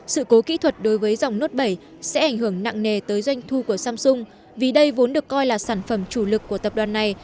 sự cố kỹ thuật đối với dòng nốt bảy sẽ ảnh hưởng nặng nề tới doanh thu của samsung vì đây vốn được coi là sản phẩm chủ lực của tập đoàn này